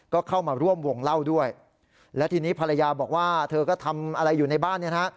ก็เข้ามาร่วมวงเล่าด้วยและทีนี้ภรรยาบอกว่าเธอก็ทำอะไรอยู่ในบ้านเนี่ยนะฮะ